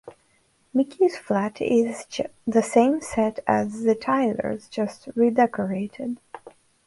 Mickey's flat is the same set as the Tyler's, just redecorated.